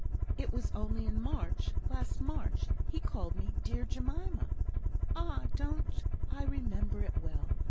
"It was only in March last March, he called me 'dear Jemima.' Ah, don't I remember it well?